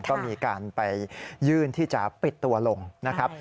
ก็มีการไปยื่นที่จะปิดตัวลงนะครับ